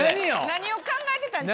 何を考えてたん？